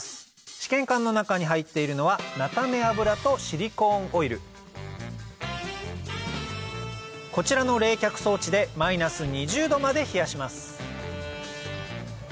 試験管の中に入っているのはこちらの冷却装置でマイナス２０℃まで冷やします